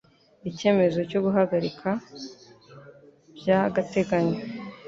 icyemezo cyo guhagarika by agateganyo